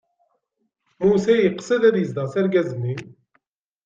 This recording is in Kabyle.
Musa yeqsed ad izdeɣ s argaz-nni.